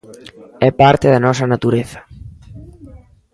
É parte da nosa natureza.